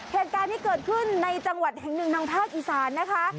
เหตุการณ์ที่เกิดขึ้นในจังหวัดแห่งหนึ่งทางภาคอีสานนะคะ